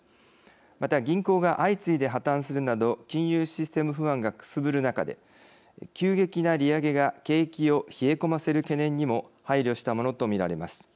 また銀行が相次いで破綻するなど金融システム不安がくすぶる中で急激な利上げが景気を冷え込ませる懸念にも配慮したものと見られます。